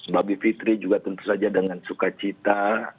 babi fitri juga tentu saja dengan suka cita